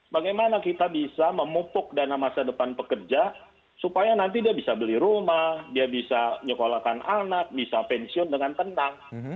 bagaimana kita bisa memupuk dana masa depan pekerja supaya nanti dia bisa beli rumah dia bisa nyekolahkan anak bisa pensiun dengan tenang